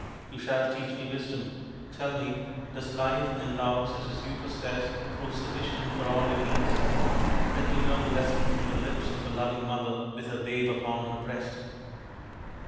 You shall teach me wisdom. Tell me, does life and love such as you possess prove sufficient for all your needs ? Let me learn the lesson from the lips of a loving mother with her babe upon her breast."